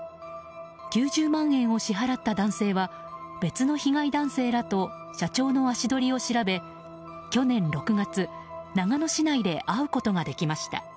９０万円を支払った男性は別の被害男性らと社長の足取りを調べ、去年６月長野市内で会うことができました。